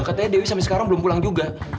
katanya tdw sampe sekarang belum pulang juga